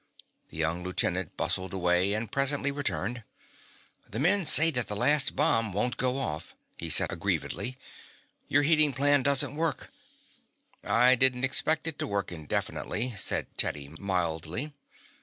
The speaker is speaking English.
The young lieutenant bustled away, and presently returned. "The men say that the last bomb won't go off," he said aggrievedly. "Your heating plan doesn't work." "I didn't expect it to work indefinitely," said Teddy mildly.